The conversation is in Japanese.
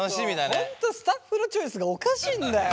本当スタッフのチョイスがおかしいんだよ！